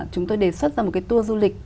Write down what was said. chúng tôi đề xuất ra một cái tour du lịch